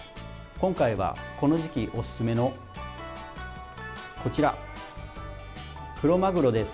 今回は、この時期おすすめのこちら、クロマグロです。